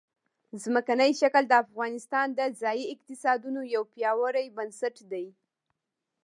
ځمکنی شکل د افغانستان د ځایي اقتصادونو یو پیاوړی بنسټ دی.